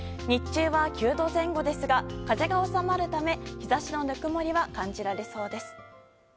日中は９度前後ですが風が収まるため日差しの温もりは感じられそうです。